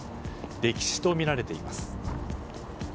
溺死とみられています。